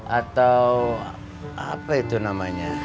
atau apa itu namanya